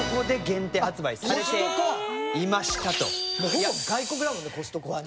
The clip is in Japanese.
ほぼ外国だもんねコストコはね。